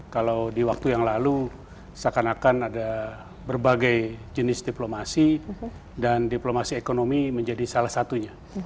kalau di waktu yang lalu seakan akan ada berbagai jenis diplomasi dan diplomasi ekonomi menjadi salah satunya